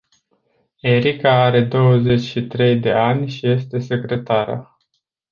Erica are douăzeci și trei de ani și este secretară.